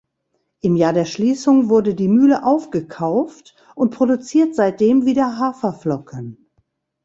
Im Jahr der Schließung wurde die Mühle aufgekauft und produziert seitdem wieder Haferflocken.